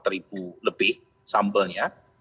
ribu lebih sampelnya